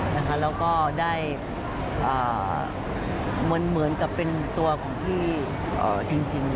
แล้วก็ได้เหมือนกับเป็นตัวของพี่จริง